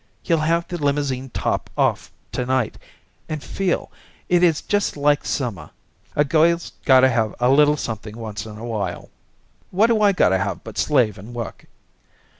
He'll have the limousine top off to night and feel, it is just like summer. A girl's gotta have a little something once in a while." "What do I gotta have? What do I gotta have but slave and work?"